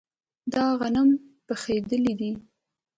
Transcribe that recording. دا غنم پخیدلي دي.